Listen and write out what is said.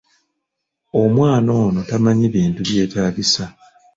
Omwana ono tamanyi bintu byetaagisa.